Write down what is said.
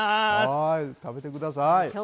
はーい、食べてください。